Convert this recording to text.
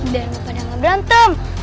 biar gak pada ngebrantem